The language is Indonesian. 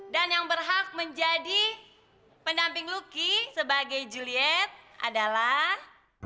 dan yang berhak menjadi pendamping lucky sebagai juliet adalah